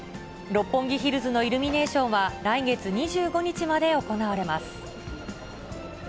六本木ヒルズのイルミネーションは、来月２５日まで行われます。